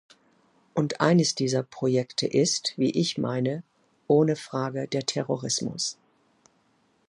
Und eines dieser Projekte ist, wie ich meine, ohne Frage der Terrorismus.